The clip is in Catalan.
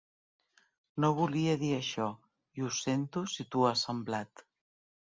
No volia dir això i ho sento si t'ho ha semblat.